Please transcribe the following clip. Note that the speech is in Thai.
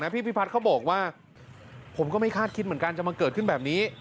พี่พิพัฒน์เขาบอกว่าผมก็ไม่คาดคิดเหมือนกันจะมาเกิดขึ้นแบบนี้